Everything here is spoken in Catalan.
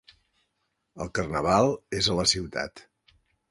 El carnaval és a la ciutat.